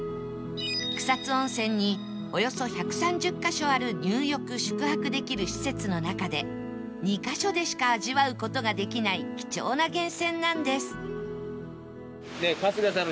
草津温泉におよそ１３０カ所ある入浴・宿泊できる施設の中で２カ所でしか味わう事ができない貴重な源泉なんです